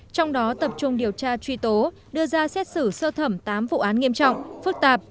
trong đó tập trung điều tra truy tố đưa ra xét xử sơ thẩm tám vụ án nghiêm trọng phức tạp